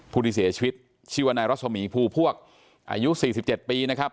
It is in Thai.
ผู้ที่เสียชีวิตชื่อว่านายรัศมีภูพวกอายุ๔๗ปีนะครับ